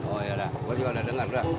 oh iya dah gue juga udah denger dah